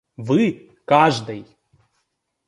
Вы – каждой!